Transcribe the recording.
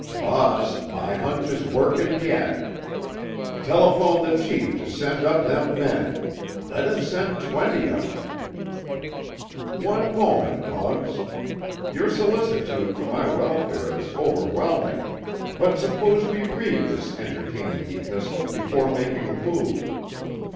"Boss, my hunch is workin' yet! Telephone the chief to send up them men—let him send twenty of em!" "One moment, Muggs! Your solicitude for my welfare is overwhelming—but suppose we read this entertaining epistle before making a move.